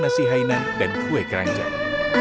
nasi haina dan kue keranjang